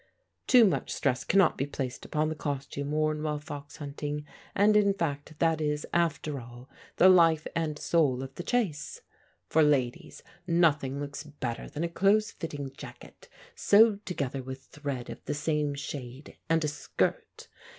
Too much stress cannot be placed upon the costume worn while fox hunting, and in fact, that is, after all, the life and soul of the chase. For ladies, nothing looks better than a close fitting jacket, sewed together with thread of the same shade and a skirt.